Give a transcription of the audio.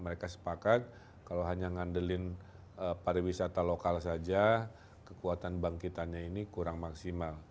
mereka sepakat kalau hanya ngandelin pariwisata lokal saja kekuatan bangkitannya ini kurang maksimal